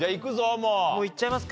もういっちゃいますか。